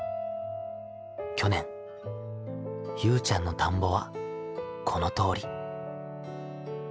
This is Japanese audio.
去年ゆうちゃんの田んぼはこのとおり。